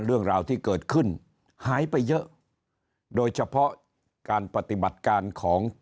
เรื่องราวที่เกิดขึ้นหายไปเยอะโดยเฉพาะการปฏิบัติการของ